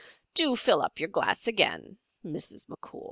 Do fill up your glass again, Mrs. McCool."